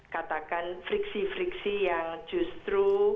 katakan friksi friksi yang justru